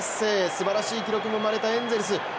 すばらしい記録も生まれたエンゼルス。